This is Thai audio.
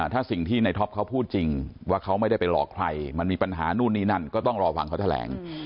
ถ้าสิ่งที่ในท็อปเขาพูดจริงว่าเขาไม่ได้ไปหลอกใครมันมีปัญหานู่นนี่นั่นก็ต้องรอฟังเขาแถลง